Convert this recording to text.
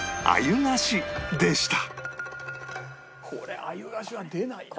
これ鮎菓子は出ないなあ。